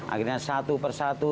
akhirnya satu per satu